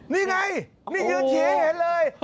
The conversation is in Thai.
นี่ไงนี่ยืนชี้ให้เห็นเลย